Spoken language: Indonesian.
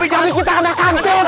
dari kita kena kancur